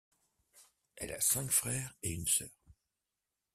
Elle a cinq frères et une sœur.